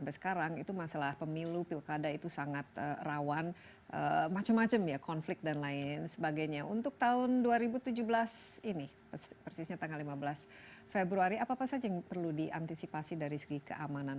persisnya tanggal lima belas februari apa saja yang perlu diantisipasi dari segi keamanan